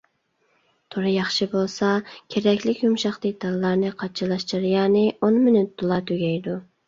تور ياخشى بولسا كېرەكلىك يۇمشاق دېتاللارنى قاچىلاش جەريانى ئون مىنۇتتىلا تۈگەيدۇ.